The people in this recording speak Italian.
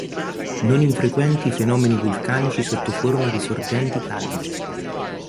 Non infrequenti i fenomeni vulcanici sotto forma di sorgenti calde.